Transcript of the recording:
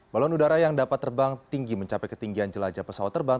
balon udara yang dapat terbang tinggi mencapai ketinggian jelajah pesawat terbang